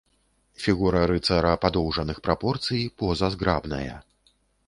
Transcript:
Фігура рыцара падоўжаных прапорцый, поза зграбная.